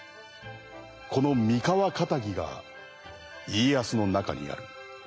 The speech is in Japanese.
この三河かたぎが家康の中にある。